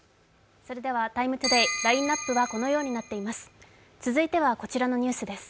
「ＴＩＭＥ，ＴＯＤＡＹ」、ラインナップはこのようになっています。